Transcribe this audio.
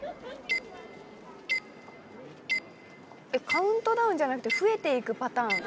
カウントダウンじゃなくて増えていくパターン。